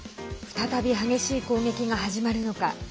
再び激しい攻撃が始まるのか。